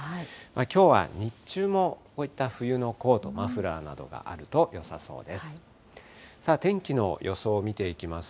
きょうは日中もこういった冬のコート、マフラーなどがあるとよさそうです。